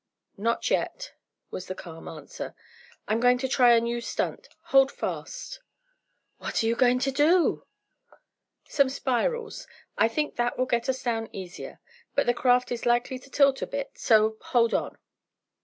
"Not yet," was the calm answer "I'm going to try a new stunt. Hold fast!" "What are you going to do?" "Some spirals. I think that will let us down easier, but the craft is likely to tilt a bit, so hold on."